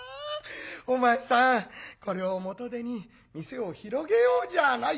お前さんこれを元手に店を広げようじゃないか」。